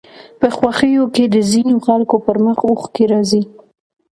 په خوښيو کې د ځينو خلکو پر مخ اوښکې راځي